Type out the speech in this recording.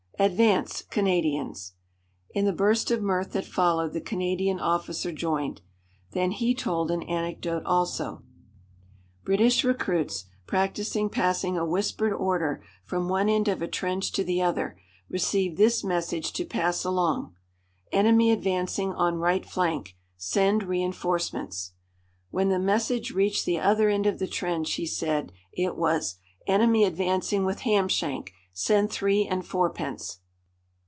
"Advance, Canadians!" In the burst of mirth that followed the Canadian officer joined. Then he told an anecdote also: "British recruits, practising passing a whispered order from one end of a trench to the other, received this message to pass along: 'Enemy advancing on right flank. Send re enforcements.' When the message reached the other end of the trench," he said, "it was: 'Enemy advancing with ham shank. Send three and fourpence!'"